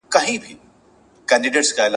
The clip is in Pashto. او تر نني ورځي پوري ..